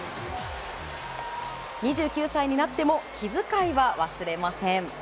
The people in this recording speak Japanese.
２９歳になっても気遣いは忘れません。